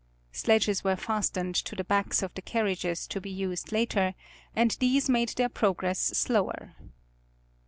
Sledges were fastened to the backs of the carriages to be used later, and these made their progress slower.